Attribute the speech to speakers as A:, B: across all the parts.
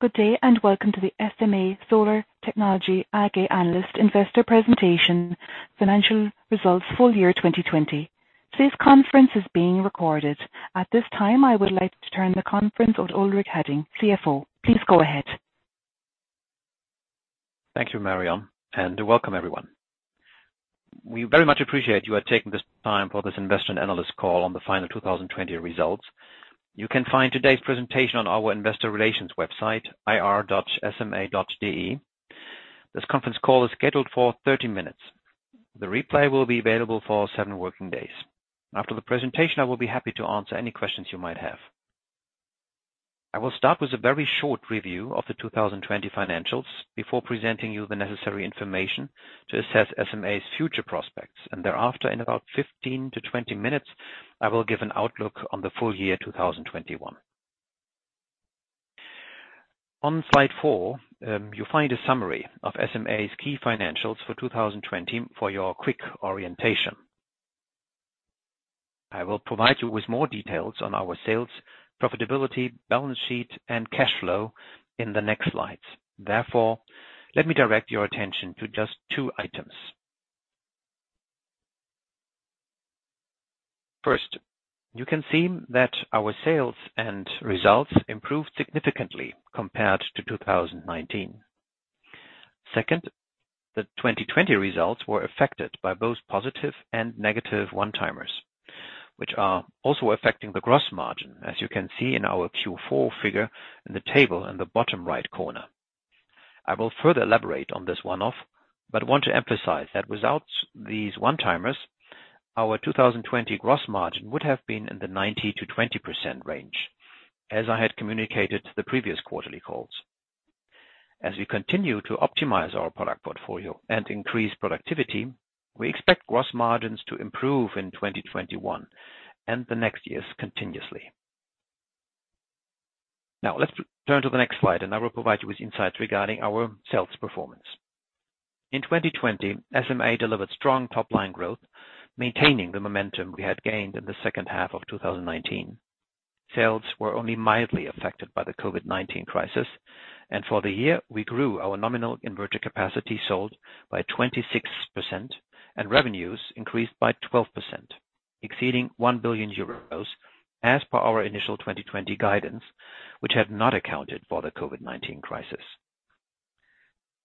A: Good day, and welcome to the SMA Solar Technology AG Analyst Investor Presentation, Financial Results Full-Year 2020. Today's conference is being recorded. At this time, I would like to turn the conference over to Ulrich Hadding, CFO. Please go ahead.
B: Thank you, Mariam, and welcome everyone. We very much appreciate you are taking this time for this investor and analyst call on the final 2020 results. You can find today's presentation on our investor relations website, ir.sma.de. This conference call is scheduled for 30 minutes. The replay will be available for seven working days. After the presentation, I will be happy to answer any questions you might have. I will start with a very short review of the 2020 financials before presenting you the necessary information to assess SMA's future prospects, and thereafter, in about 15-20 minutes, I will give an outlook on the full-year 2021. On slide four, you'll find a summary of SMA's key financials for 2020 for your quick orientation. I will provide you with more details on our sales, profitability, balance sheet, and cash flow in the next slides. Therefore, let me direct your attention to just two items. First, you can see that our sales and results improved significantly compared to 2019. Second, the 2020 results were affected by both positive and negative one-timers, which are also affecting the gross margin, as you can see in our Q4 figure in the table in the bottom right corner. I will further elaborate on this one-off, but want to emphasize that without these one-timers, our 2020 gross margin would have been in the 19%-20% range, as I had communicated to the previous quarterly calls. As we continue to optimize our product portfolio and increase productivity, we expect gross margins to improve in 2021 and the next years continuously. Now, let's turn to the next slide, and I will provide you with insights regarding our sales performance. In 2020, SMA delivered strong top-line growth, maintaining the momentum we had gained in the second half of 2019. Sales were only mildly affected by the COVID-19 crisis, and for the year, we grew our nominal inverter capacity sold by 26%, and revenues increased by 12%, exceeding 1 billion euros as per our initial 2020 guidance, which had not accounted for the COVID-19 crisis.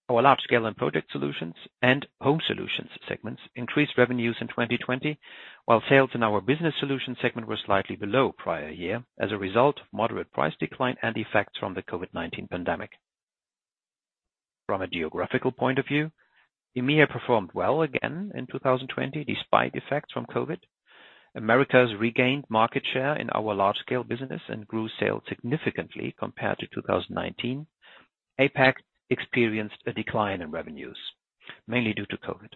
B: Our large scale & project solutions and home solutions segments increased revenues in 2020, while sales in our business solutions segment were slightly below prior year as a result of moderate price decline and effects from the COVID-19 pandemic. From a geographical point of view, EMEA performed well again in 2020 despite effects from COVID. Americas regained market share in our large-scale business and grew sales significantly compared to 2019. APAC experienced a decline in revenues, mainly due to COVID.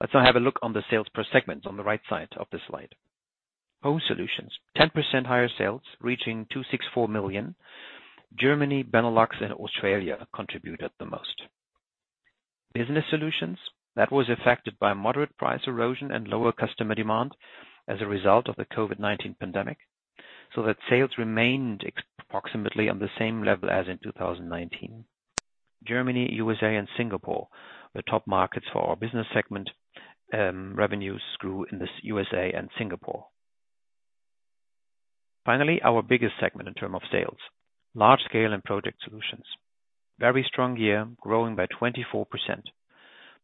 B: Let's now have a look on the sales per segment on the right side of the slide. home solutions, 10% higher sales reaching 264 million. Germany, Benelux, and Australia contributed the most. Business Solutions, that was affected by moderate price erosion and lower customer demand as a result of the COVID-19 pandemic, so that sales remained approximately on the same level as in 2019. Germany, USA, and Singapore were top markets for our business segment. Revenues grew in the USA and Singapore. Finally, our biggest segment in term of sales, large scale & project solutions. Very strong year, growing by 24%.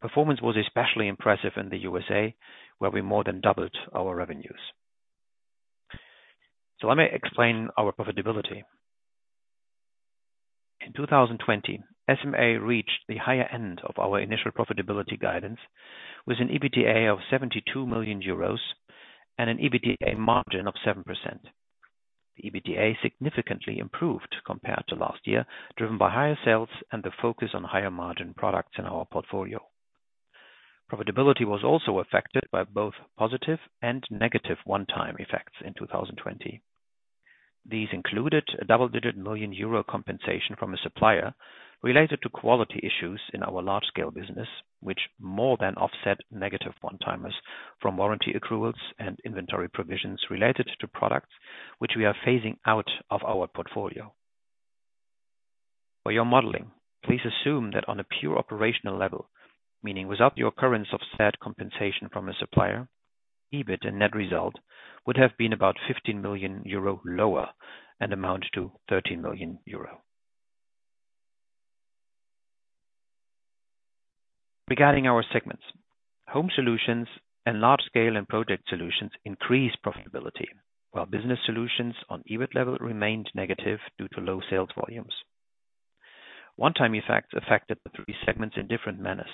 B: Performance was especially impressive in the USA, where we more than doubled our revenues. Let me explain our profitability. In 2020, SMA reached the higher end of our initial profitability guidance with an EBITDA of 72 million euros and an EBITDA margin of 7%. The EBITDA significantly improved compared to last year, driven by higher sales and the focus on higher margin products in our portfolio. Profitability was also affected by both positive and negative one-time effects in 2020. These included a double-digit million EUR compensation from a supplier related to quality issues in our large-scale business, which more than offset negative one-timers from warranty accruals and inventory provisions related to products which we are phasing out of our portfolio. For your modeling, please assume that on a pure operational level, meaning without the occurrence of said compensation from a supplier, EBIT and net result would have been about 15 million euro lower and amount to 13 million euro. Regarding our segments, home solutions and large scale & project solutions increased profitability, while business solutions on EBIT level remained negative due to low sales volumes. One-time effects affected the three segments in different manners.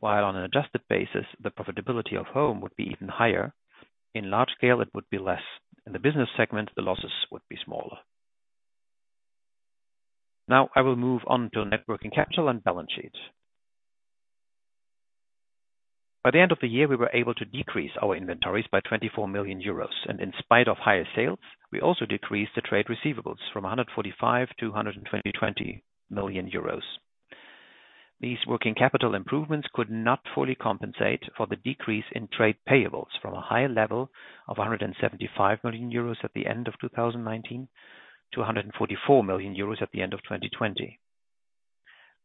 B: While on an adjusted basis, the profitability of home would be even higher, in large scale, it would be less. In the business segment, the losses would be smaller. Now, I will move on to net working capital and balance sheets. By the end of the year, we were able to decrease our inventories by 24 million euros, and in spite of higher sales, we also decreased the trade receivables from 145-120 million euros. These working capital improvements could not fully compensate for the decrease in trade payables from a high level of 175 million euros at the end of 2019 to 144 million euros at the end of 2020.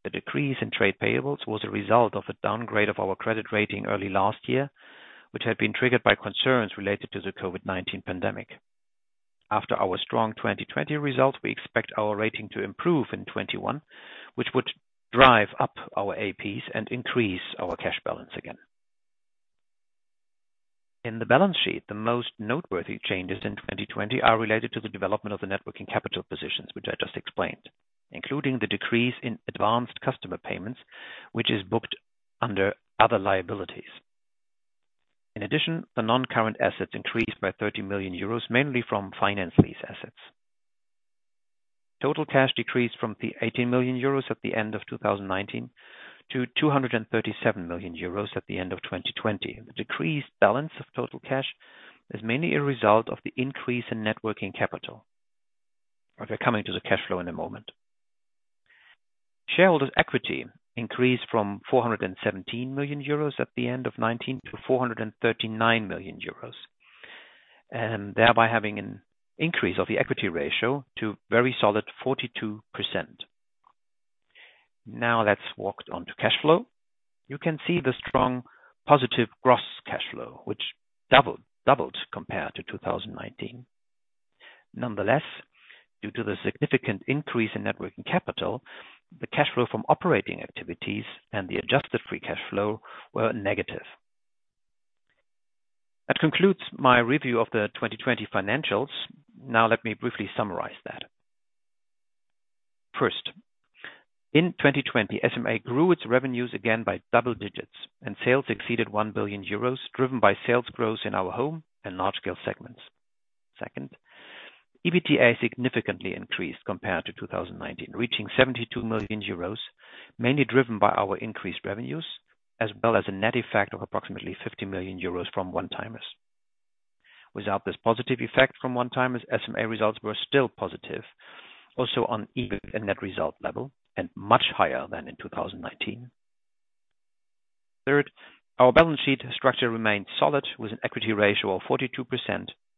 B: The decrease in trade payables was a result of a downgrade of our credit rating early last year, which had been triggered by concerns related to the COVID-19 pandemic. After our strong 2020 result, we expect our rating to improve in 2021, which would drive up our APs and increase our cash balance again. In the balance sheet, the most noteworthy changes in 2020 are related to the development of the net working capital positions, which I just explained, including the decrease in advanced customer payments, which is booked under other liabilities. In addition, the non-current assets increased by 30 million euros, mainly from finance lease assets. Total cash decreased from the 18 million euros at the end of 2019 to 237 million euros at the end of 2020. The decreased balance of total cash is mainly a result of the increase in net working capital. We're coming to the cash flow in a moment. Shareholders' equity increased from 417 million euros at the end of 2019 to 439 million euros, and thereby having an increase of the equity ratio to very solid 42%. Let's walk on to cash flow. You can see the strong positive gross cash flow, which doubled compared to 2019. Due to the significant increase in net working capital, the cash flow from operating activities and the adjusted free cash flow were negative. That concludes my review of the 2020 financials. Let me briefly summarize that. In 2020, SMA grew its revenues again by double digits, and sales exceeded 1 billion euros, driven by sales growth in our home and large scale segments. EBITDA significantly increased compared to 2019, reaching 72 million euros, mainly driven by our increased revenues, as well as a net effect of approximately 50 million euros from one-timers. Without this positive effect from one-timers, SMA results were still positive, also on EBIT and net result level, and much higher than in 2019. Third, our balance sheet structure remains solid, with an equity ratio of 42%,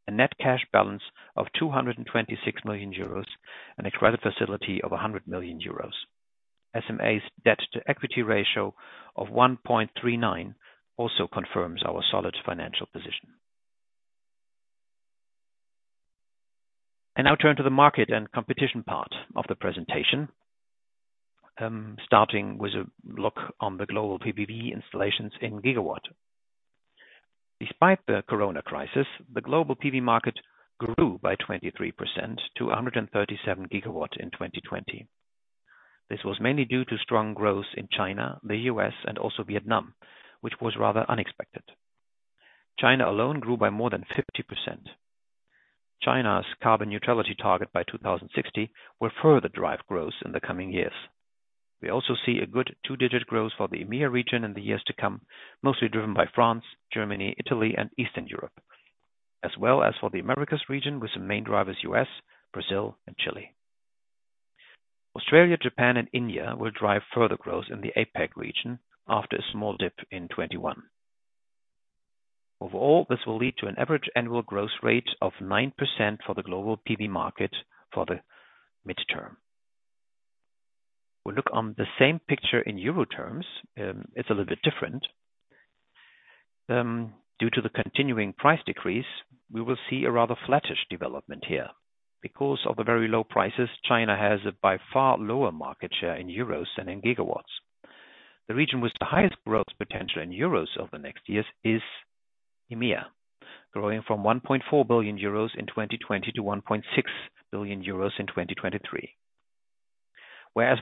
B: a net cash balance of 226 million euros, and a credit facility of 100 million euros. SMA's debt-to-equity ratio of 1.39 also confirms our solid financial position. I now turn to the market and competition part of the presentation, starting with a look on the global PV installations in gigawatt. Despite the corona crisis, the global PV market grew by 23% to 137 GW in 2020. This was mainly due to strong growth in China, the U.S., and also Vietnam, which was rather unexpected. China alone grew by more than 50%. China's carbon neutrality target by 2060 will further drive growth in the coming years. We also see a good two-digit growth for the EMEA region in the years to come, mostly driven by France, Germany, Italy, and Eastern Europe, as well as for the Americas region, with the main drivers U.S., Brazil, and Chile. Australia, Japan, and India will drive further growth in the APAC region after a small dip in 2021. Overall, this will lead to an average annual growth rate of 9% for the global PV market for the midterm. We look on the same picture in EUR terms, it's a little bit different. Due to the continuing price decrease, we will see a rather flattish development here. Because of the very low prices, China has a by far lower market share in Euros than in gigawatts. The region with the highest growth potential in euros over the next years is EMEA, growing from 1.4 billion euros in 2020 to 1.6 billion euros in 2023.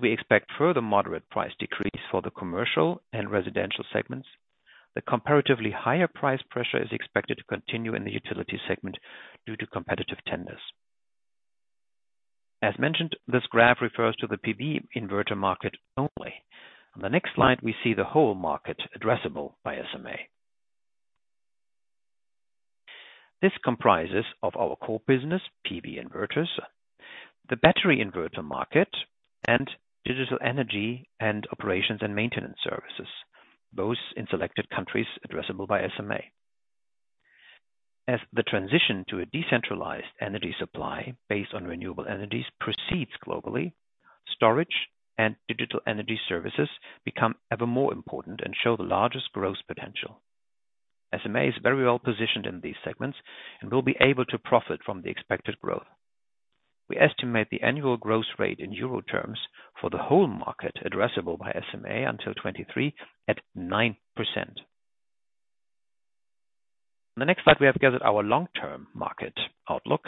B: We expect further moderate price decrease for the commercial and residential segments, the comparatively higher price pressure is expected to continue in the utility segment due to competitive tenders. As mentioned, this graph refers to the PV inverter market only. On the next slide, we see the whole market addressable by SMA. This comprises of our core business, PV inverters, the battery inverter market, and digital energy and operations and maintenance services, both in selected countries addressable by SMA. The transition to a decentralized energy supply based on renewable energies proceeds globally, storage and digital energy services become ever more important and show the largest growth potential. SMA is very well-positioned in these segments and will be able to profit from the expected growth. We estimate the annual growth rate in Euro terms for the whole market addressable by SMA until 2023 at 9%. On the next slide, we have gathered our long-term market outlook,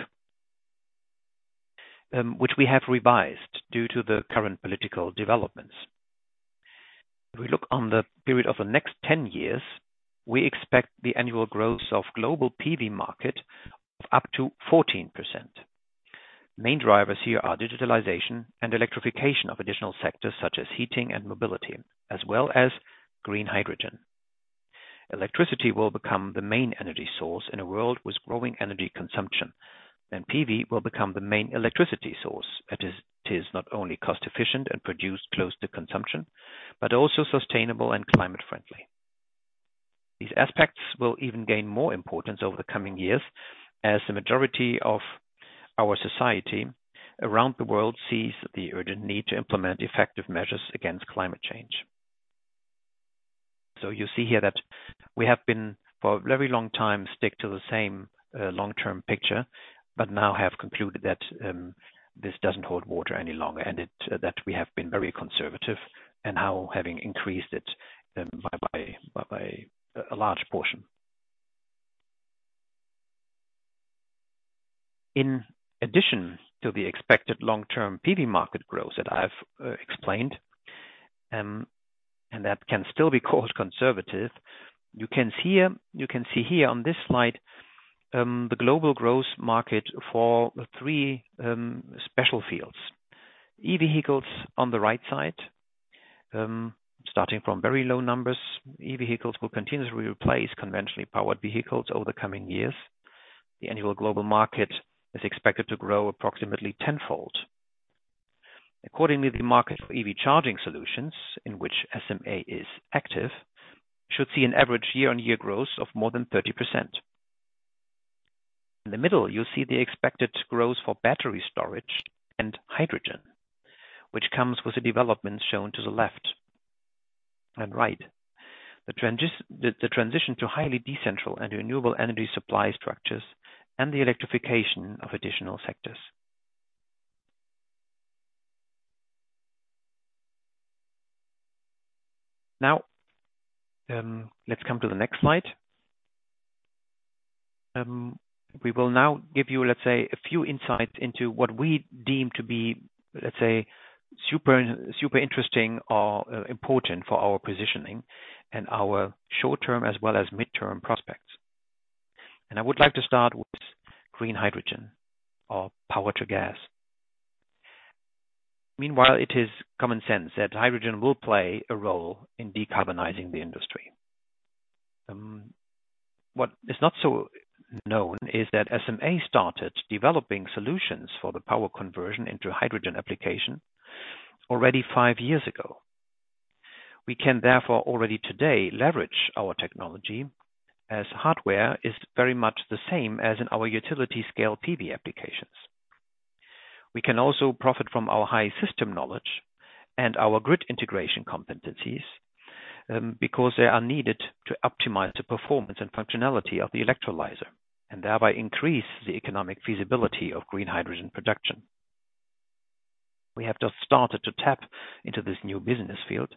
B: which we have revised due to the current political developments. If we look on the period of the next 10 years, we expect the annual growth of global PV market of up to 14%. Main drivers here are digitalization and electrification of additional sectors such as heating and mobility, as well as green hydrogen. Electricity will become the main energy source in a world with growing energy consumption, and PV will become the main electricity source, as it is not only cost efficient and produced close to consumption, but also sustainable and climate friendly. These aspects will even gain more importance over the coming years, as the majority of our society around the world sees the urgent need to implement effective measures against climate change. You see here that we have been, for a very long time, stick to the same long-term picture, but now have concluded that this doesn't hold water any longer, and that we have been very conservative and now having increased it by a large portion. In addition to the expected long-term PV market growth that I've explained, and that can still be called conservative, you can see here on this slide, the global growth market for three special fields. E-vehicles on the right side. Starting from very low numbers, e-vehicles will continuously replace conventionally powered vehicles over the coming years. The annual global market is expected to grow approximately tenfold. Accordingly, the market for EV charging solutions, in which SMA is active, should see an average year-on-year growth of more than 30%. In the middle, you'll see the expected growth for battery storage and hydrogen, which comes with the developments shown to the left and right. The transition to highly decentral and renewable energy supply structures and the electrification of additional sectors. Let's come to the next slide. We will now give you, let's say, a few insights into what we deem to be, let's say, super interesting or important for our positioning and our short-term as well as mid-term prospects. I would like to start with green hydrogen or Power-to-Gas. Meanwhile, it is common sense that hydrogen will play a role in decarbonizing the industry. What is not so known is that SMA started developing solutions for the power conversion into hydrogen application already five years ago. We can therefore, already today, leverage our technology as hardware is very much the same as in our utility scale PV applications. We can also profit from our high system knowledge and our grid integration competencies, because they are needed to optimize the performance and functionality of the electrolyzer, and thereby increase the economic feasibility of green hydrogen production. We have just started to tap into this new business field.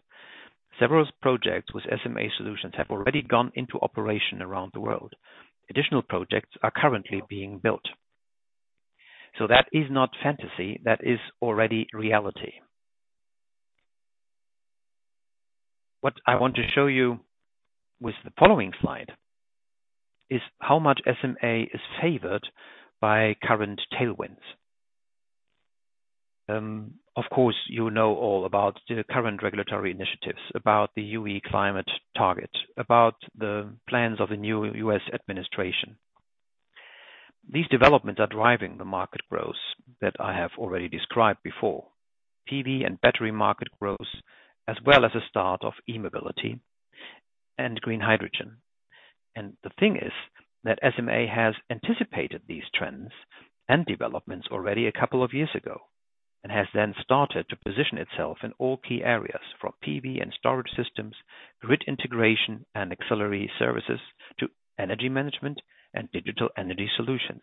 B: Several projects with SMA solutions have already gone into operation around the world. Additional projects are currently being built. That is not fantasy, that is already reality. What I want to show you with the following slide is how much SMA is favored by current tailwinds. Of course, you know all about the current regulatory initiatives, about the EU climate target, about the plans of the new U.S. administration. These developments are driving the market growth that I have already described before. PV and battery market growth, as well as the start of e-mobility and green hydrogen. The thing is that SMA has anticipated these trends and developments already a couple of years ago and has then started to position itself in all key areas, from PV and storage systems, grid integration and auxiliary services, to energy management and digital energy solutions,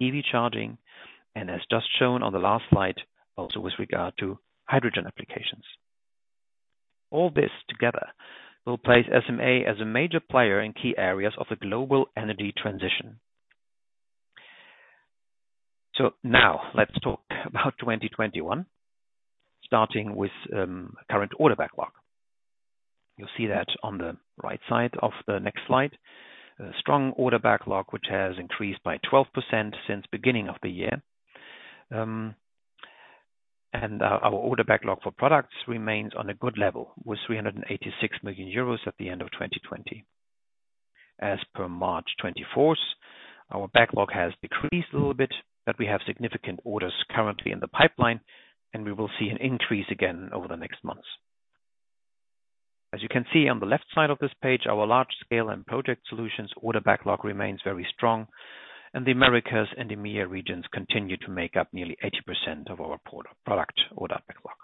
B: EV charging, and as just shown on the last slide, also with regard to hydrogen applications. All this together will place SMA as a major player in key areas of the global energy transition. Now let's talk about 2021, starting with current order backlog. You'll see that on the right side of the next slide. A strong order backlog, which has increased by 12% since beginning of the year. Our order backlog for products remains on a good level with 386 million euros at the end of 2020. As per March 24th, our backlog has decreased a little bit, but we have significant orders currently in the pipeline, and we will see an increase again over the next months. As you can see on the left side of this page, our large scale & project solutions order backlog remains very strong, and the Americas and EMEA regions continue to make up nearly 80% of our product order backlog.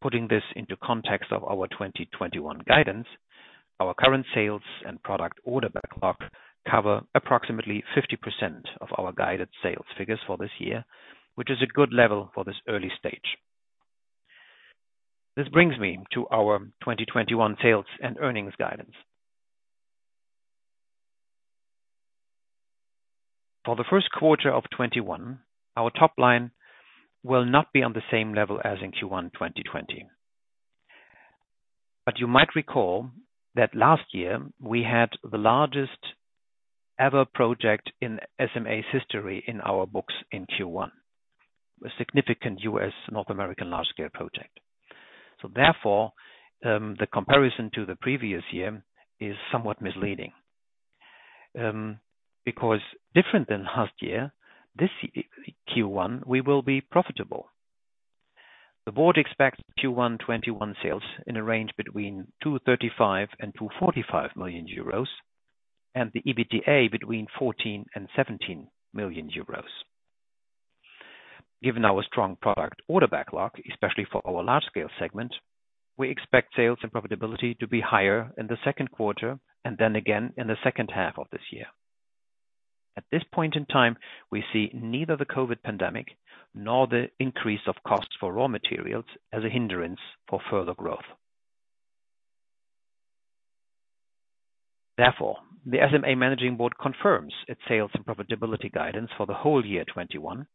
B: Putting this into context of our 2021 guidance, our current sales and product order backlog cover approximately 50% of our guided sales figures for this year, which is a good level for this early stage. This brings me to our 2021 sales and earnings guidance. For the first quarter of 2021, our top line will not be on the same level as in Q1 2020. You might recall that last year we had the largest ever project in SMA's history in our books in Q1, a significant U.S. North American large scale project. Therefore, the comparison to the previous year is somewhat misleading. Because different than last year, this Q1, we will be profitable. The board expects Q1 2021 sales in a range between 235 million and 245 million euros, and the EBITDA between 14 million and 17 million euros. Given our strong product order backlog, especially for our large scale segment, we expect sales and profitability to be higher in the second quarter, and then again in the second half of this year. At this point in time, we see neither the COVID-19 pandemic nor the increase of costs for raw materials as a hindrance for further growth. The SMA managing board confirms its sales and profitability guidance for the whole year 2021,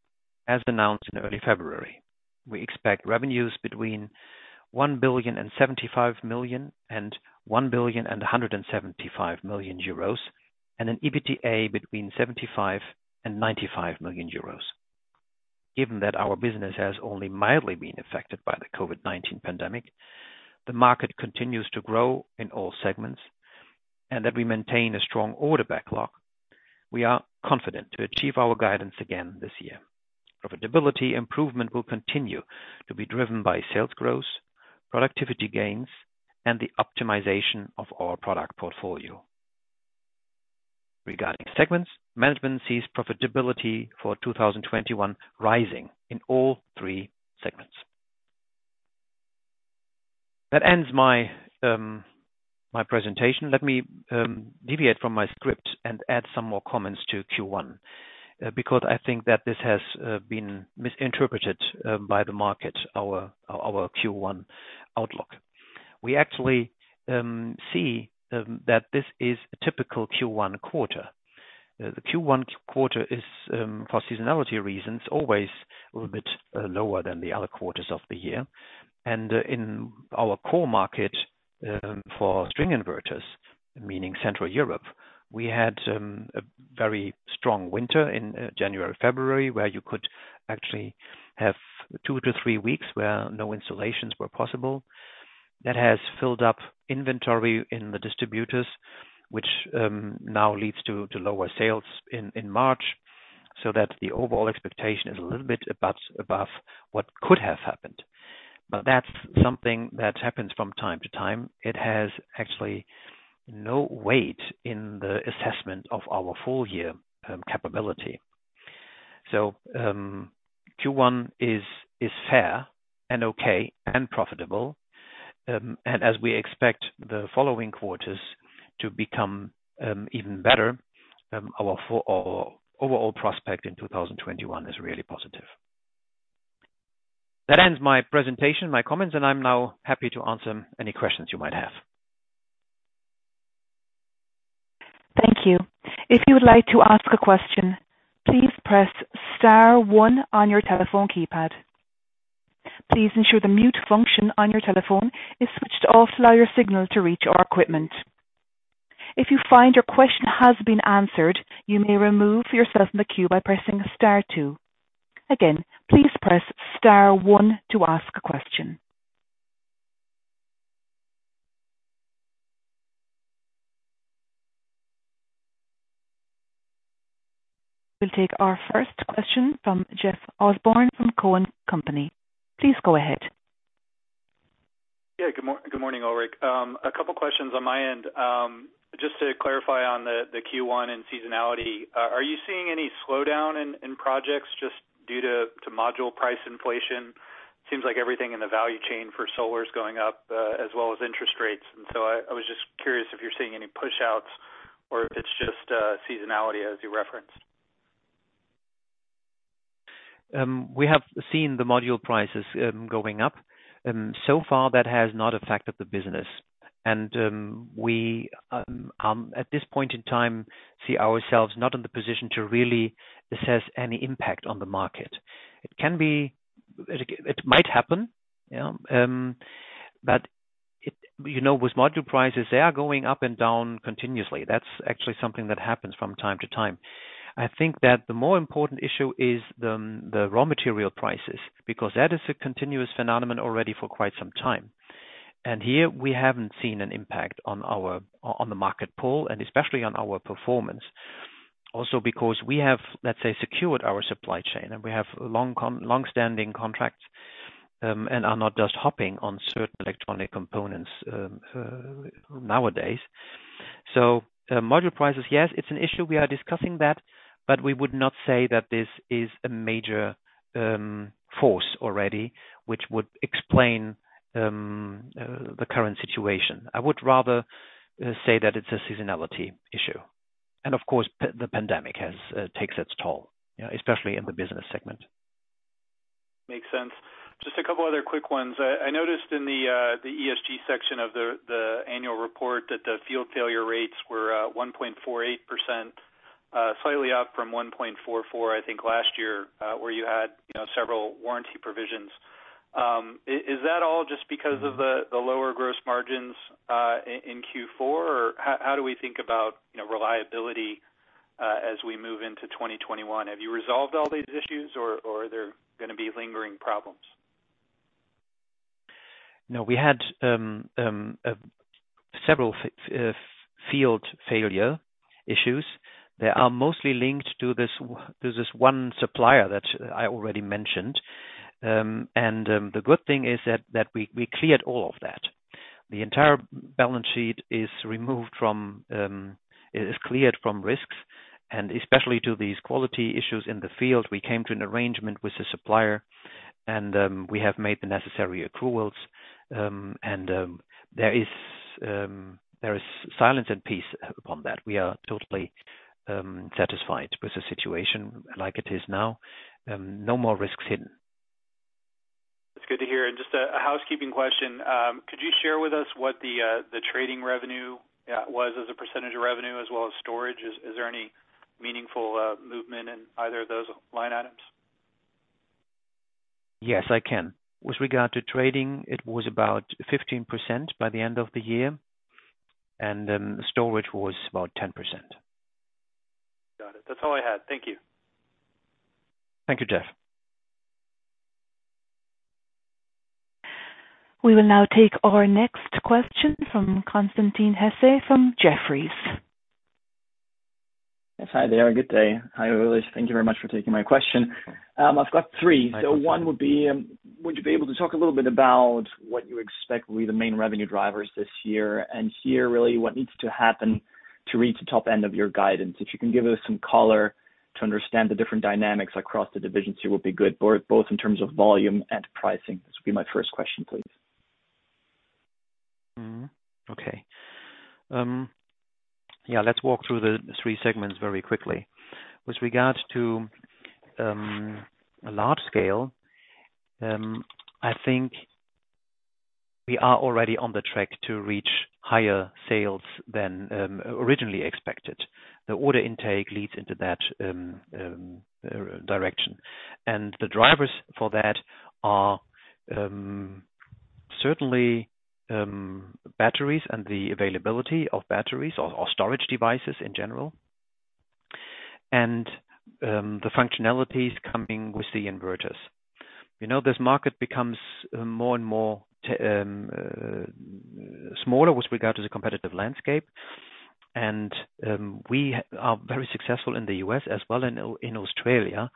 B: as announced in early February. We expect revenues between 1.075 billion and EUR 1.175 billion, and an EBITDA between 75 million and 95 million euros. Given that our business has only mildly been affected by the COVID-19 pandemic, the market continues to grow in all segments, and that we maintain a strong order backlog, we are confident to achieve our guidance again this year. Profitability improvement will continue to be driven by sales growth, productivity gains, and the optimization of our product portfolio. Regarding segments, management sees profitability for 2021 rising in all three segments. That ends my presentation. Let me deviate from my script and add some more comments to Q1, because I think that this has been misinterpreted by the market, our Q1 outlook. We actually see that this is a typical Q1 quarter. The Q1 quarter is, for seasonality reasons, always a little bit lower than the other quarters of the year. In our core market for string inverters, meaning Central Europe, we had a very strong winter in January, February, where you could actually have two to three weeks where no installations were possible. That has filled up inventory in the distributors, which now leads to lower sales in March, the overall expectation is a little bit above what could have happened. That's something that happens from time to time. It has actually no weight in the assessment of our full-year capability. Q1 is fair and okay and profitable. As we expect the following quarters to become even better, our overall prospect in 2021 is really positive. That ends my presentation, my comments, and I'm now happy to answer any questions you might have.
A: Thank you. If you would like to ask a question, please press star one on your telephone keypad. Please ensure the mute function on your telephone is switched off signal to reach our equipment. If you find your question has been answered, you may remove yourself from the queue by pressing star two. Again, please press star one to ask a question. We'll take our first question from Jeff Osborne from Cowen and Company. Please go ahead.
C: Yeah. Good morning, Ulrich. A couple questions on my end. Just to clarify on the Q1 and seasonality, are you seeing any slowdown in projects just due to module price inflation? Seems like everything in the value chain for solar is going up, as well as interest rates. I was just curious if you're seeing any push-outs or if it's just seasonality as you referenced.
B: We have seen the module prices going up. So far, that has not affected the business. We, at this point in time, see ourselves not in the position to really assess any impact on the market. It might happen. With module prices, they are going up and down continuously. That's actually something that happens from time to time. I think that the more important issue is the raw material prices, because that is a continuous phenomenon already for quite some time. Here we haven't seen an impact on the market pull, and especially on our performance. Also because we have, let's say, secured our supply chain, and we have long-standing contracts, and are not just hopping on certain electronic components nowadays. Module prices, yes, it's an issue. We are discussing that. We would not say that this is a major force already, which would explain the current situation. I would rather say that it's a seasonality issue. Of course, the pandemic takes its toll, especially in the business segment.
C: Makes sense. Just a couple other quick ones. I noticed in the ESG section of the Annual Report that the field failure rates were 1.48%, slightly up from 1.44%, I think last year, where you had several warranty provisions. Is that all just because of the lower gross margins in Q4? How do we think about reliability as we move into 2021? Have you resolved all these issues, or are there going to be lingering problems?
B: No, we had several field failure issues that are mostly linked to this one supplier that I already mentioned. The good thing is that we cleared all of that. The entire balance sheet is cleared from risks, and especially to these quality issues in the field. We came to an arrangement with the supplier, and we have made the necessary accruals. There is silence and peace upon that. We are totally satisfied with the situation like it is now. No more risks hidden.
C: That's good to hear. Just a housekeeping question. Could you share with us what the trading revenue was as a percentage of revenue as well as storage? Is there any meaningful movement in either of those line items?
B: Yes, I can. With regard to trading, it was about 15% by the end of the year, and storage was about 10%.
C: Got it. That's all I had. Thank you.
B: Thank you, Jeff.
A: We will now take our next question from Constantin Hesse from Jefferies.
D: Yes, hi there. Good day. Hi, Ulrich. Thank you very much for taking my question. I've got three.
B: My pleasure.
D: One would be, would you be able to talk a little bit about what you expect will be the main revenue drivers this year and here, really, what needs to happen to reach the top end of your guidance? If you can give us some color to understand the different dynamics across the divisions, it would be good, both in terms of volume and pricing. This would be my first question, please.
B: Okay. Yeah, let's walk through the three segments very quickly. With regards to large scale, I think we are already on the track to reach higher sales than originally expected. The order intake leads into that direction. The drivers for that are certainly batteries and the availability of batteries or storage devices in general, and the functionalities coming with the inverters. This market becomes more and more smaller with regard to the competitive landscape, and we are very successful in the U.S. as well in Australia.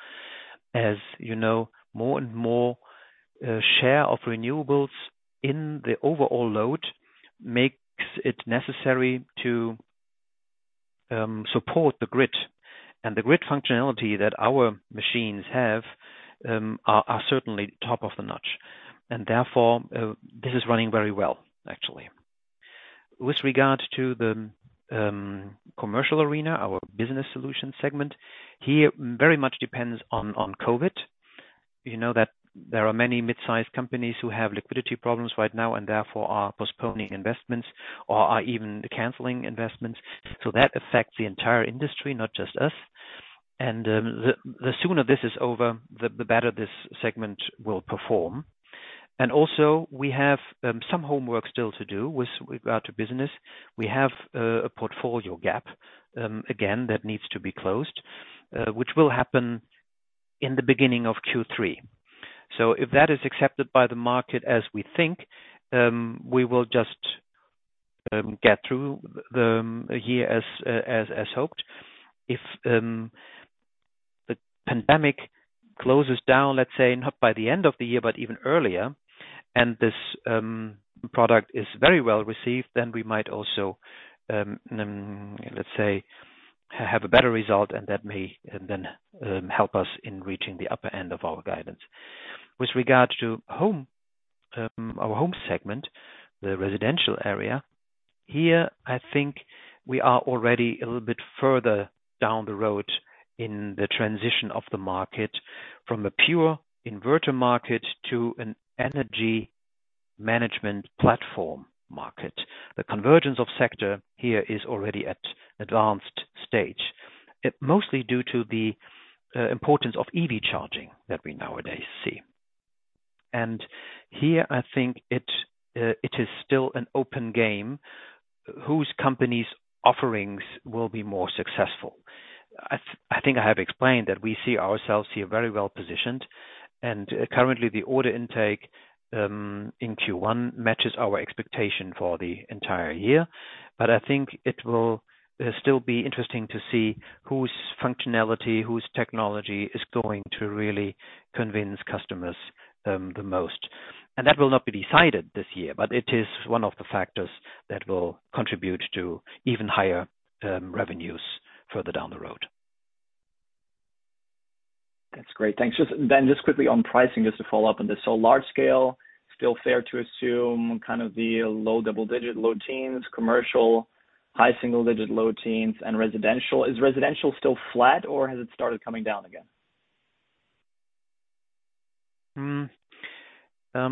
B: As you know, more and more share of renewables in the overall load makes it necessary to support the grid. The grid functionality that our machines have are certainly top of the notch, and therefore, this is running very well, actually. With regard to the commercial arena, our business solutions segment, here, very much depends on COVID-19. You know that there are many mid-sized companies who have liquidity problems right now, and therefore are postponing investments or are even canceling investments. That affects the entire industry, not just us. The sooner this is over, the better this segment will perform. Also, we have some homework still to do with regard to business. We have a portfolio gap, again, that needs to be closed, which will happen in the beginning of Q3. If that is accepted by the market as we think, we will just get through the year as hoped. If the pandemic closes down, let's say, not by the end of the year, but even earlier, and this product is very well received, then we might also, let's say, have a better result, and that may then help us in reaching the upper end of our guidance. With regard to our home segment, the residential area, here, I think we are already a little bit further down the road in the transition of the market from a pure inverter market to an energy management platform market. The convergence of sector here is already at advanced stage. Mostly due to the importance of EV charging that we nowadays see. Here, I think it is still an open game whose company's offerings will be more successful. I think I have explained that we see ourselves here very well-positioned, and currently, the order intake in Q1 matches our expectation for the entire year. I think it will still be interesting to see whose functionality, whose technology is going to really convince customers the most. That will not be decided this year, but it is one of the factors that will contribute to even higher revenues further down the road.
D: That's great. Thanks. Just quickly on pricing, just to follow up on this. large scale, still fair to assume kind of the low double-digit, low teens, Commercial, high single-digit, low teens and residential. Is residential still flat or has it started coming down again?
B: I have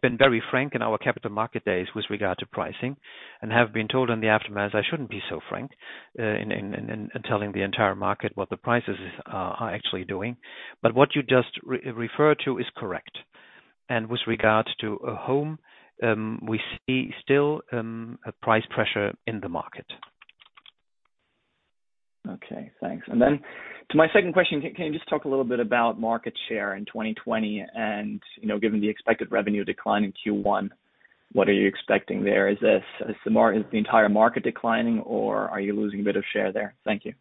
B: been very frank in our Capital Market Days with regard to pricing, and have been told in the aftermath I shouldn't be so frank in telling the entire market what the prices are actually doing. What you just referred to is correct, with regards to home, we see still a price pressure in the market.
D: Okay, thanks. To my second question, can you just talk a little bit about market share in 2020 and, given the expected revenue decline in Q1, what are you expecting there? Is the entire market declining, or are you losing a bit of share there? Thank you.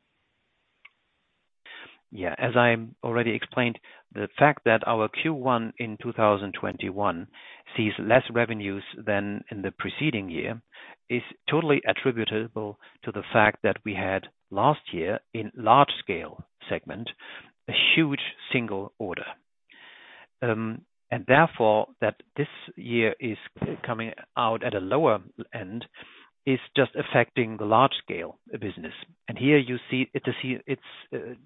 B: As I already explained, the fact that our Q1 in 2021 sees less revenues than in the preceding year is totally attributable to the fact that we had last year, in large scale, a huge single order. That this year is coming out at a lower end is just affecting the large scale business. Here you see the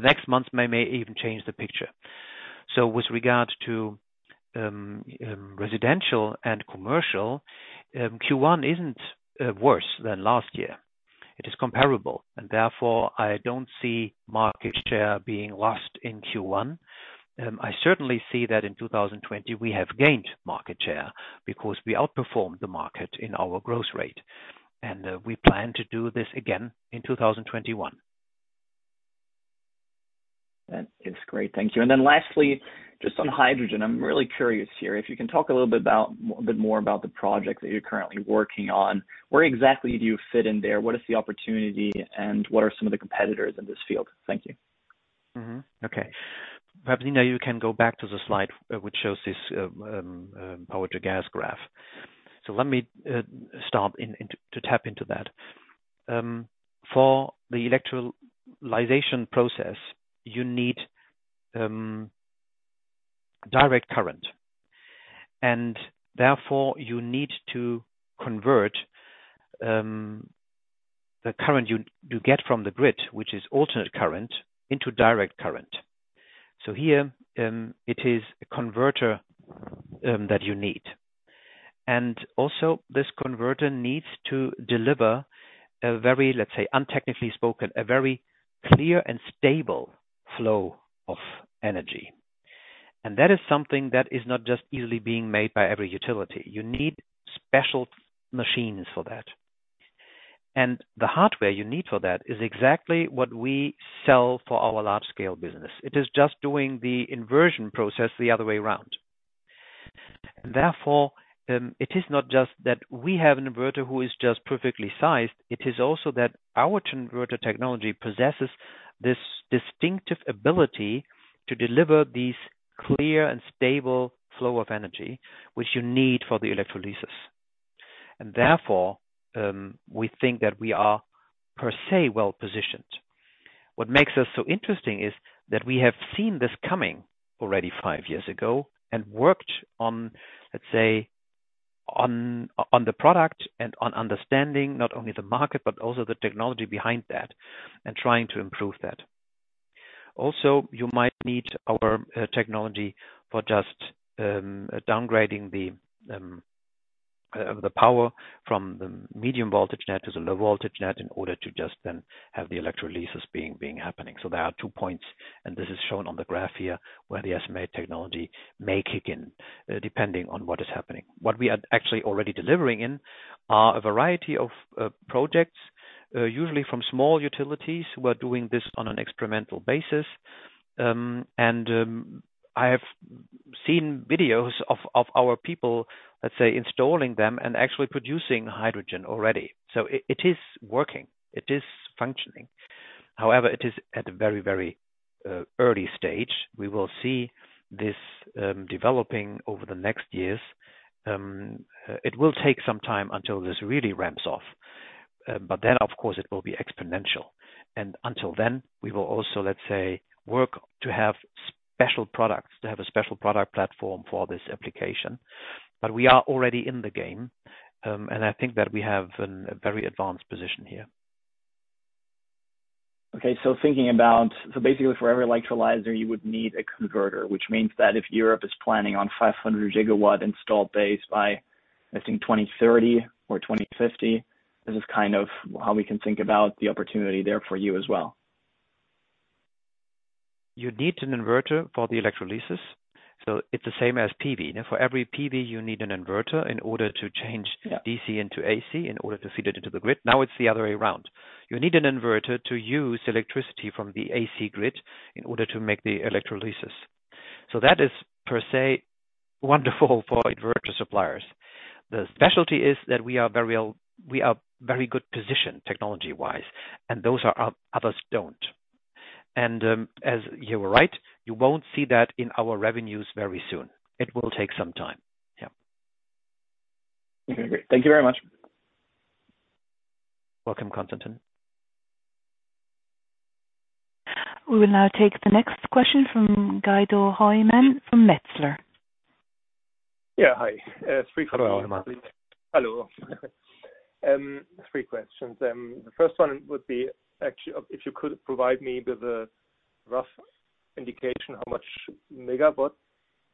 B: next months may even change the picture. With regard to residential and commercial, Q1 isn't worse than last year. It is comparable, and therefore I don't see market share being lost in Q1. I certainly see that in 2020 we have gained market share because we outperformed the market in our growth rate, and we plan to do this again in 2021.
D: That is great. Thank you. Lastly, just on hydrogen. I'm really curious here, if you can talk a little bit more about the project that you're currently working on. Where exactly do you fit in there? What is the opportunity, and what are some of the competitors in this field? Thank you.
B: Okay. Perhaps, Nina, you can go back to the slide which shows this Power-to-Gas graph. Let me start to tap into that. For the electrolysis process, you need direct current, and therefore you need to convert the current you get from the grid, which is alternating current, into direct current. Here it is a converter that you need. Also, this converter needs to deliver a very, let's say, untechnically spoken, a very clear and stable flow of energy. That is something that is not just easily being made by every utility. You need special machines for that. The hardware you need for that is exactly what we sell for our large scale business. It is just doing the inversion process the other way around. Therefore, it is not just that we have an inverter who is just perfectly sized, it is also that our converter technology possesses this distinctive ability to deliver these clear and stable flow of energy, which you need for the electrolysis. Therefore, we think that we are, per se, well-positioned. What makes us so interesting is that we have seen this coming already five years ago and worked on, let's say, on the product and on understanding not only the market, but also the technology behind that and trying to improve that. You might need our technology for just downgrading the power from the medium voltage net to the low voltage net in order to just then have the electrolysis happening. There are two points, and this is shown on the graph here, where the SMA technology may kick in, depending on what is happening. What we are actually already delivering in are a variety of projects, usually from small utilities who are doing this on an experimental basis. I have seen videos of our people, let's say, installing them and actually producing hydrogen already. It is working. It is functioning. However, it is at a very early stage. We will see this developing over the next years. It will take some time until this really ramps off. Then, of course, it will be exponential. Until then, we will also, let's say, work to have special products, to have a special product platform for this application. We are already in the game. I think that we have a very advanced position here.
D: Okay. Thinking about, so basically for every electrolyzer, you would need a converter, which means that if Europe is planning on 500 GW installed base by, I think, 2030 or 2050, this is kind of how we can think about the opportunity there for you as well.
B: You need an inverter for the electrolysis, so it's the same as PV. For every PV, you need an inverter in order to change.
D: Yeah
B: DC into AC in order to feed it into the grid. Now it's the other way around. You need an inverter to use electricity from the AC grid in order to make the electrolysis. That is, per se, wonderful for inverter suppliers. The specialty is that we are very good positioned technology-wise, and others don't. You are right, you won't see that in our revenues very soon. It will take some time. Yeah.
D: Okay, great. Thank you very much.
B: Welcome, Constantin.
A: We will now take the next question from Guido Hoymann from Metzler.
E: Yeah, hi.
B: Hello.
E: Hello. Three questions. The first one would be, if you could provide me with a rough indication how much megawatt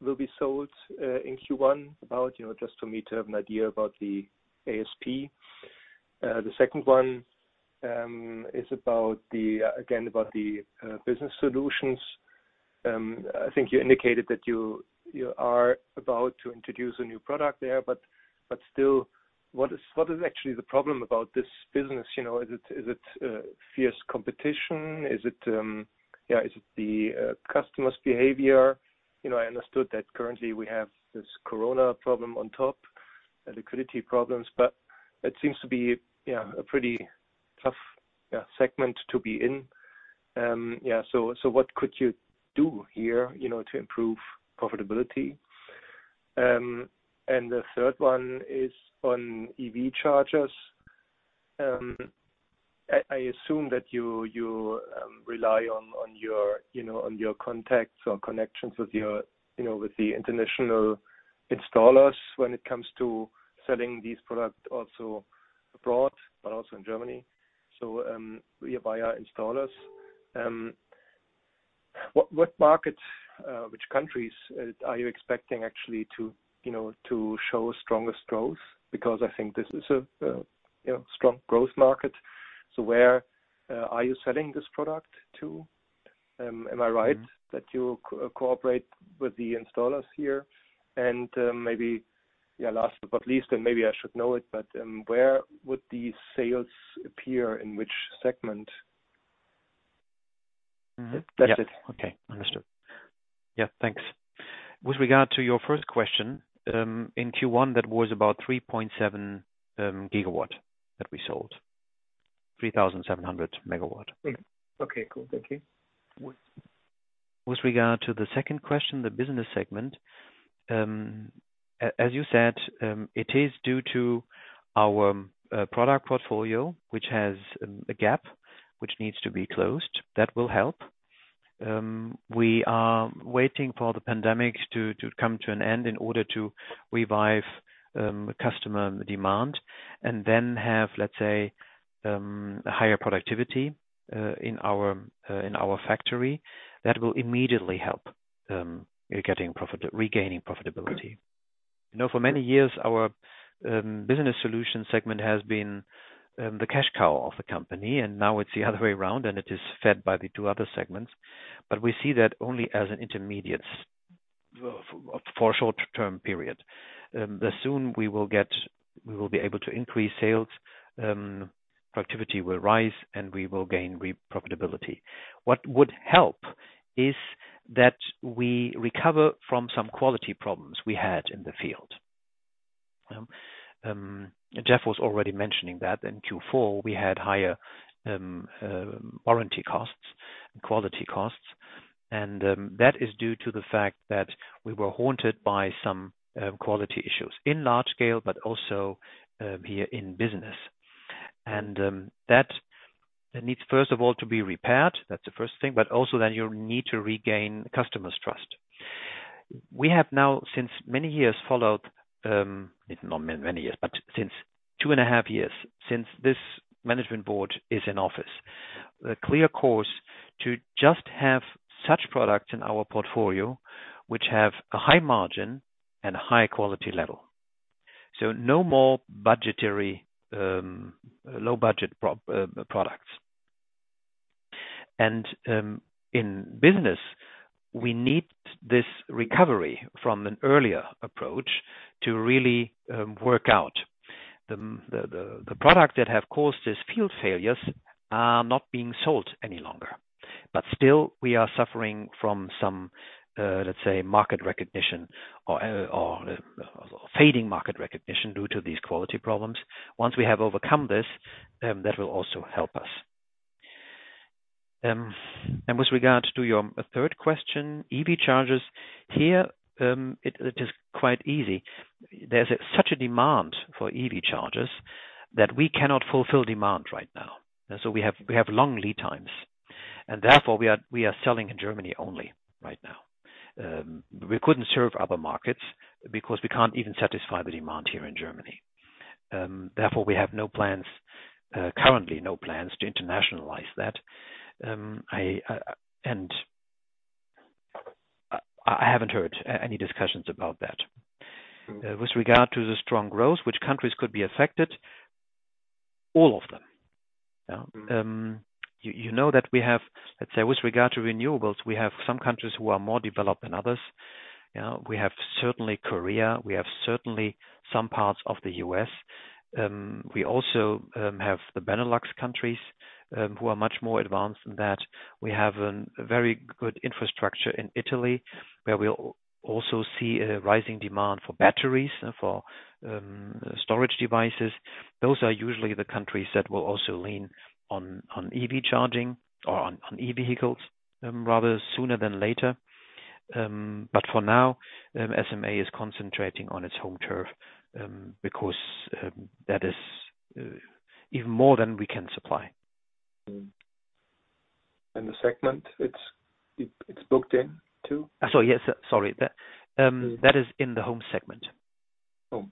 E: will be sold in Q1 about, just for me to have an idea about the ASP. The second one is, again, about the business solutions. I think you indicated that you are about to introduce a new product there. Still, what is actually the problem about this business? Is it fierce competition? Is it the customer's behavior? I understood that currently we have this COVID-19 problem on top, the liquidity problems. It seems to be a pretty tough segment to be in. What could you do here to improve profitability? The third one is on EV chargers. I assume that you rely on your contacts or connections with the international installers when it comes to selling these products also abroad, but also in Germany, so via installers. What markets, which countries are you expecting, actually, to show strongest growth? I think this is a strong growth market. Where are you selling this product to? Am I right that you cooperate with the installers here? Maybe last but least, and maybe I should know it, but where would these sales appear, in which segment? That's it.
B: Okay. Understood. Yeah, thanks. With regard to your first question, in Q1, that was about 3.7 GW that we sold, 3,700 MW.
E: Okay, cool. Thank you.
B: With regard to the second question, the business segment, as you said, it is due to our product portfolio, which has a gap which needs to be closed. That will help. We are waiting for the pandemic to come to an end in order to revive customer demand and then have, let's say, higher productivity in our factory. That will immediately help regaining profitability. For many years, our business solutions segment has been the cash cow of the company, and now it's the other way around, and it is fed by the two other segments. We see that only as an intermediate for a short-term period. The sooner we will be able to increase sales, productivity will rise, and we will gain profitability. What would help is that we recover from some quality problems we had in the field. Jeff was already mentioning that in Q4, we had higher warranty costs and quality costs. That is due to the fact that we were haunted by some quality issues in large scale, but also here in business. That needs, first of all, to be repaired. That's the first thing, but also then you need to regain the customers' trust. We have now, since two and a half years, since this management board is in office, a clear course to just have such products in our portfolio which have a high margin and a high-quality level. No more low-budget products. In business, we need this recovery from an earlier approach to really work out. The products that have caused these field failures are not being sold any longer. Still, we are suffering from some, let's say, market recognition or fading market recognition due to these quality problems. Once we have overcome this, that will also help us. With regard to your third question, EV chargers, here it is quite easy. There's such a demand for EV chargers that we cannot fulfill demand right now. So we have long lead times, and therefore, we are selling in Germany only right now. We couldn't serve other markets because we can't even satisfy the demand here in Germany. Therefore, we have currently no plans to internationalize that. I haven't heard any discussions about that. With regard to the strong growth, which countries could be affected? All of them. You know that we have, let's say, with regard to renewables, we have some countries who are more developed than others. We have certainly Korea, we have certainly some parts of the U.S. We also have the Benelux countries who are much more advanced than that. We have a very good infrastructure in Italy, where we also see a rising demand for batteries, for storage devices. Those are usually the countries that will also lean on EV charging or on EV vehicles, rather sooner than later. For now, SMA is concentrating on its home turf, because that is even more than we can supply.
E: The segment it's booked in too?
B: Sorry. That is in the home segment.
E: Oh.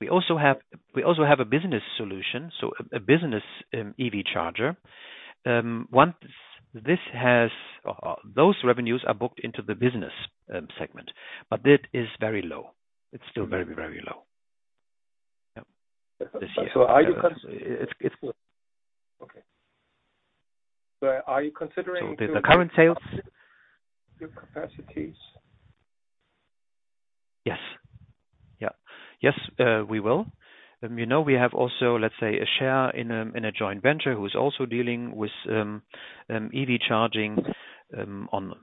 B: We also have a business solution, so a business EV charger. Those revenues are booked into the business segment, but it is very low. It's still very low. Yeah. This year.
E: So are you-
B: It's-
E: Okay. Are you considering-
B: the current sales
E: your capacities?
B: Yes. We will. We have also, let's say, a share in a joint venture who's also dealing with EV charging on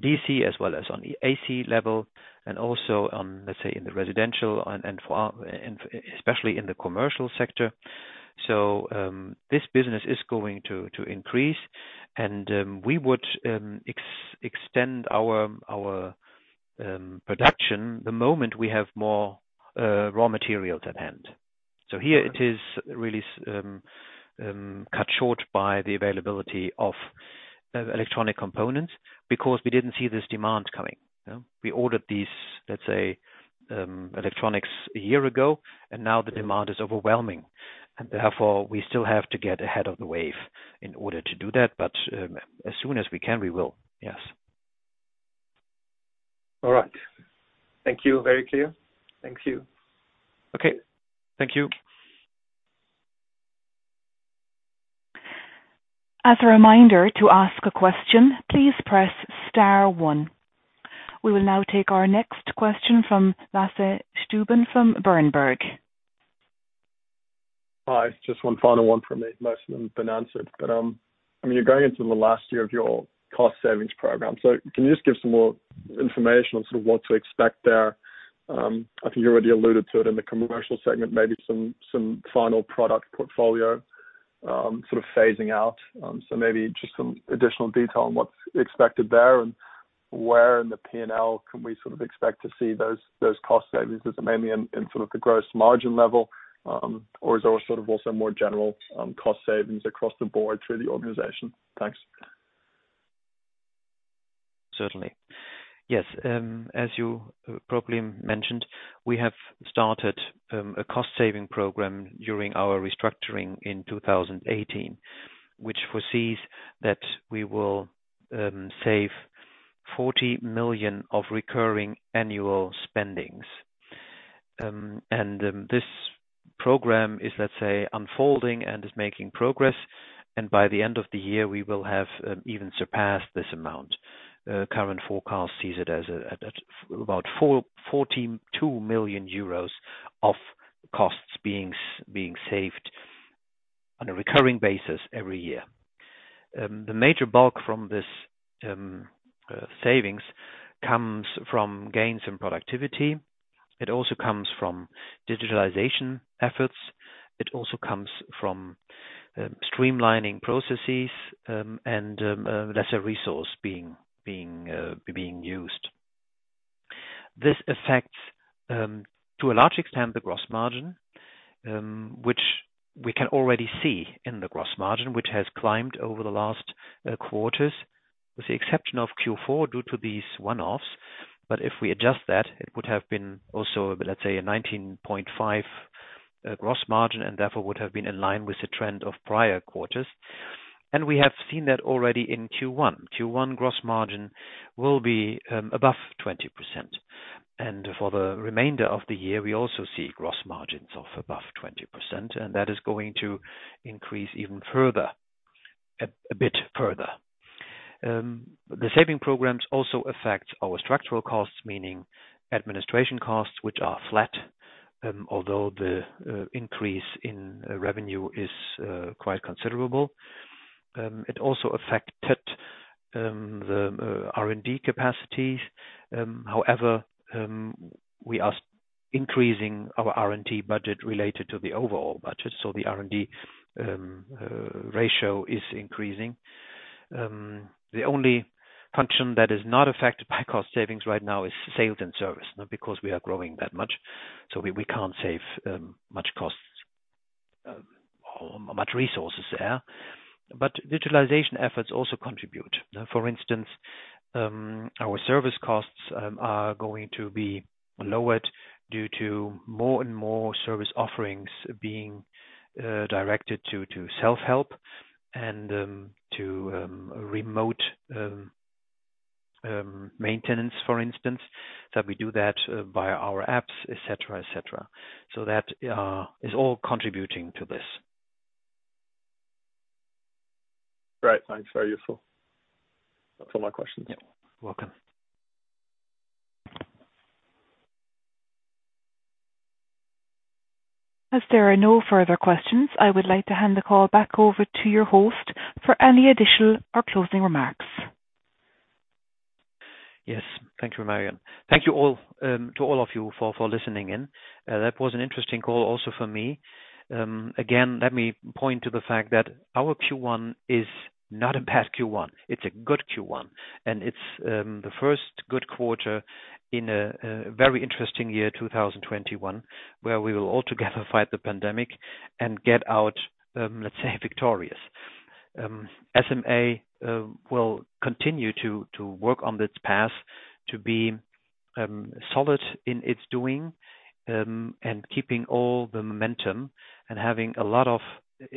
B: DC as well as on AC level and also on, let's say, in the residential and especially in the commercial sector. This business is going to increase, and we would extend our production the moment we have more raw materials at hand. Here it is really cut short by the availability of electronic components because we didn't see this demand coming. We ordered these, let's say, electronics a year ago, and now the demand is overwhelming. Therefore, we still have to get ahead of the wave in order to do that. As soon as we can, we will. Yes.
E: All right. Thank you. Very clear. Thank you.
B: Okay. Thank you.
A: As a reminder, to ask a question, please press star one. We will now take our next question from Lasse Stueben from Berenberg.
F: Hi. Just one final one from me. Most of them have been answered. You're going into the last year of your cost savings program. Can you just give some more information on sort of what to expect there? I think you already alluded to it in the commercial segment, maybe some final product portfolio, sort of phasing out. Maybe just some additional detail on what's expected there and where in the P&L can we sort of expect to see those cost savings? Is it mainly in sort of the gross margin level? Is there sort of also more general cost savings across the board through the organization? Thanks.
B: Certainly. Yes. As you probably mentioned, we have started a cost-saving program during our restructuring in 2018, which foresees that we will save 40 million of recurring annual spendings. This program is, let's say, unfolding and is making progress, and by the end of the year, we will have even surpassed this amount. Current forecast sees it as about 42 million euros of costs being saved on a recurring basis every year. The major bulk from this savings comes from gains in productivity. It also comes from digitalization efforts. It also comes from streamlining processes and lesser resource being used. This affects, to a large extent, the gross margin, which we can already see in the gross margin, which has climbed over the last quarters, with the exception of Q4 due to these one-offs. If we adjust that, it would have been also, let's say, a 19.5% gross margin, and therefore would have been in line with the trend of prior quarters. We have seen that already in Q1. Q1 gross margin will be above 20%. For the remainder of the year, we also see gross margins of above 20%, and that is going to increase even further, a bit further. The saving programs also affect our structural costs, meaning administration costs, which are flat, although the increase in revenue is quite considerable. It also affected the R&D capacities. However, we are increasing our R&D budget related to the overall budget, so the R&D ratio is increasing. The only function that is not affected by cost savings right now is sales and service, because we are growing that much. We can't save much costs, much resources there. Digitalization efforts also contribute. For instance, our service costs are going to be lowered due to more and more service offerings being directed to self-help and to remote maintenance, for instance, that we do that via our apps, et cetera. That is all contributing to this.
F: Great. Thanks. Very useful. That's all my questions.
B: You're welcome.
A: As there are no further questions, I would like to hand the call back over to your host for any additional or closing remarks.
B: Yes. Thank you, Marion. Thank you to all of you for listening in. That was an interesting call also for me. Again, let me point to the fact that our Q1 is not a bad Q1. It's a good Q1. It's the first good quarter in a very interesting year, 2021, where we will all together fight the pandemic and get out, let's say, victorious. SMA will continue to work on this path to be solid in its doing, keeping all the momentum and having a lot of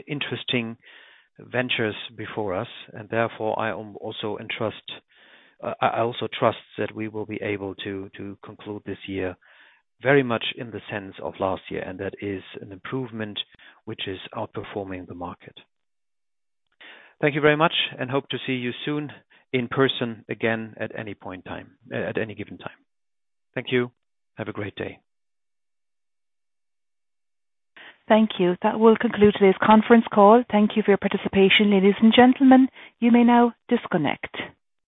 B: interesting ventures before us. Therefore, I also trust that we will be able to conclude this year very much in the sense of last year. That is an improvement which is outperforming the market. Thank you very much, hope to see you soon in person again at any given time. Thank you. Have a great day.
A: Thank you. That will conclude today's conference call. Thank you for your participation, ladies and gentlemen. You may now disconnect.